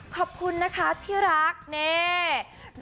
ขอบคุณนะคะที่รักนี่